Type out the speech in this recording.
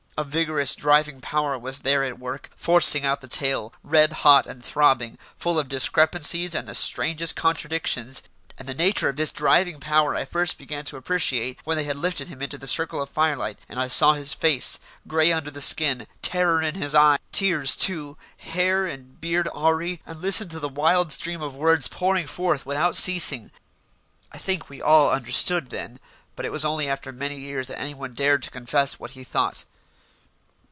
A vigorous driving power was there at work, forcing out the tale, red hot and throbbing, full of discrepancies and the strangest contradictions; and the nature of this driving power I first began to appreciate when they had lifted him into the circle of firelight and I saw his face, grey under the tan, terror in the eyes, tears too, hair and beard awry, and listened to the wild stream of words pouring forth without ceasing. I think we all understood then, but it was only after many years that anyone dared to confess what he thought.